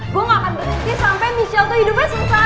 gue gak akan berhenti sampe michelle tuh hidupnya sengsara